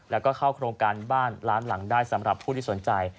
แล้วก็เข้าโครงการบ้านล้านหลังได้สำหรับผู้ที่สนใจ